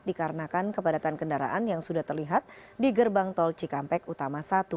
dikarenakan kepadatan kendaraan yang sudah terlihat di gerbang tol cikampek utama satu